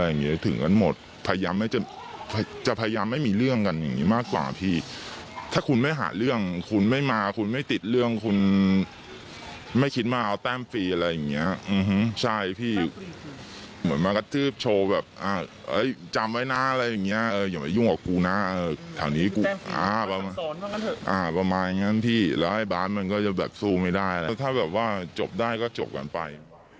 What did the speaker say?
อย่างเงี้ยถึงกันหมดพยายามไม่จะจะพยายามไม่มีเรื่องกันอย่างงี้มากกว่าพี่ถ้าคุณไม่หาเรื่องคุณไม่มาคุณไม่ติดเรื่องคุณไม่คิดมาเอาแต้มฟรีอะไรอย่างเงี้ยอื้อฮือใช่พี่เหมือนมากระทืบโชว์แบบอ่าเฮ้ยจำไว้หน้าอะไรอย่างเงี้ยเอออย่าไปยุ่งกับกูน่าเออแถวนี้กูอ่าประมาณนั้นพี่แล้วไอ้บาสมันก็จะแบบสู้ไม่